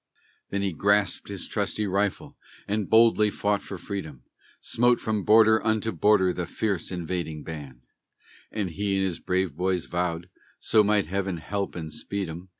Then he grasped his trusty rifle and boldly fought for freedom; Smote from border unto border the fierce, invading band; And he and his brave boys vowed so might Heaven help and speed 'em!